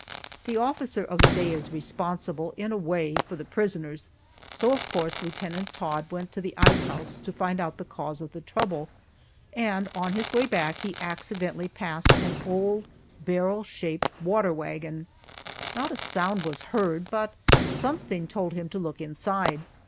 The officer of the day is responsible, in a way, for the prisoners, so of course Lieutenant Todd went to the ice house to find out the cause of the trouble, and on his way back he accidentally passed an old barrel shaped water wagon. Not a sound was heard, but something told him to look inside.